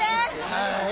はい。